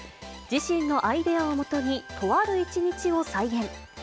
自身のアイデアをもとに、とある一日を再現。